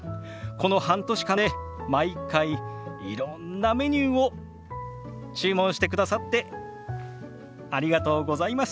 この半年間で毎回いろんなメニューを注文してくださってありがとうございます。